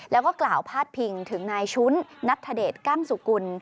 แล้วก็กล่าวพาดพิงถึงนายชุ้นนัทธเดชกั้งสุกุล